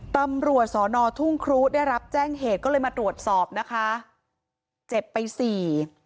ตำรวจสอนอทุ่งครูได้รับแจ้งเหตุก็เลยมาตรวจสอบนะคะเจ็บไปสี่